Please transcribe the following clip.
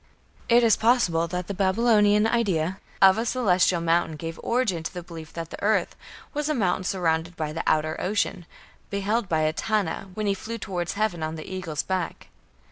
It is possible that the Babylonian idea of a Celestial mountain gave origin to the belief that the earth was a mountain surrounded by the outer ocean, beheld by Etana when he flew towards heaven on the eagle's back.